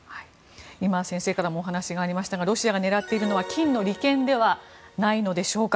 今、先生からもお話がありましたがロシアが狙っているのは金の利権ではないのでしょうか。